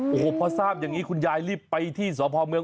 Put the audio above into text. โอ้โหพอทราบอย่างนี้คุณยายรีบไปที่สพเมือง